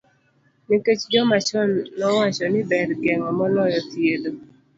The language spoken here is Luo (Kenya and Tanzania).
Nikech joma chon nowacho ni ber geng'o moloyo thiedho.